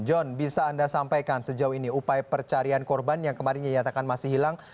john bisa anda sampaikan sejauh ini upaya pencarian korban yang kemarin dinyatakan masih hilang